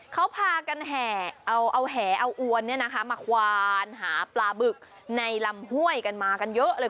เขาพากันแห่เอาแหเอาอวนมาควานหาปลาบึกในลำห้วยกันมากันเยอะเลย